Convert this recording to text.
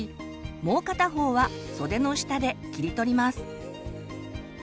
もう片方は袖の下で切り取ります。